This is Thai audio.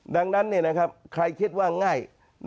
ดังนั้นใครคิดว่าง่าย